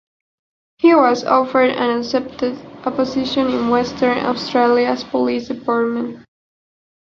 He was offered and accepted a position in Western Australia's police department.